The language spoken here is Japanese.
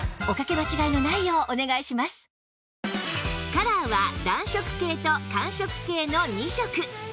カラーは暖色系と寒色系の２色